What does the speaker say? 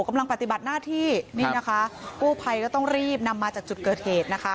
กำลังปฏิบัติหน้าที่นี่นะคะกู้ภัยก็ต้องรีบนำมาจากจุดเกิดเหตุนะคะ